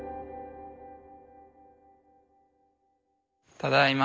ただいま。